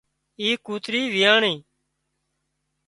اي ڪوترِي ويئاڻِي